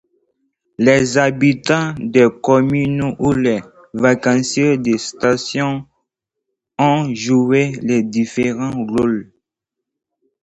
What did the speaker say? Les habitants des communes ou les vacanciers de stations ont joué les différents rôles.